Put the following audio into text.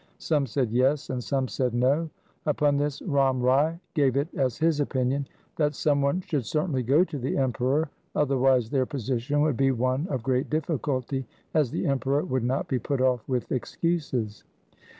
Some said 'Yes', and some said 'No'. Upon this Ram Rai gave it as his opinion that some one should certainly go to the Emperor, otherwise their position would be one of great difficulty, as the Emperor would not be put off with excuses.